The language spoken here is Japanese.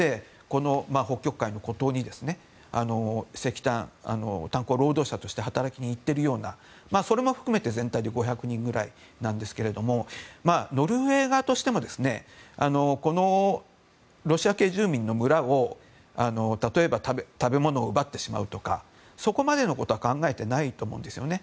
この北極海の孤島に石炭、炭鉱労働者として働きに行っているようなそれも含めて全体で５００人くらいなんですがノルウェー側としてもこのロシア系住民の村を例えば食べ物を奪ってしまうとかそこまでのことは考えてないと思うんですよね。